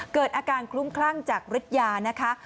เกิดอาการคลุ้มคลั่งจากฤทธิยานะคะ